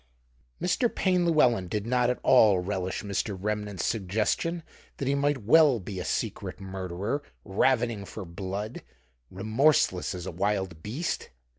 Mr. Payne Llewelyn did not at all relish Mr. Remnant's suggestion that he might well be a secret murderer, ravening for blood, remorseless as a wild beast.